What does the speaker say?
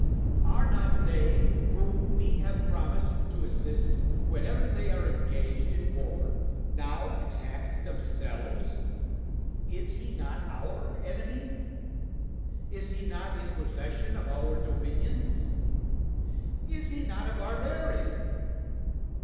Are not they whom we have promised to assist, whenever they are engaged in war, now attacked themselves? Is he not our enemy? Is he not in possession of our dominions? Is he not a barbarian?